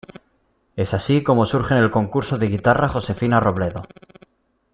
Es así como surgen el Concurso de Guitarra Josefina Robledo.